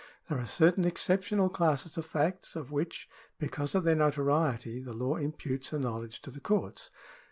There are certain excep tional classes of facts, of which, because of their notoriety, the law imputes a knowledge to the courts.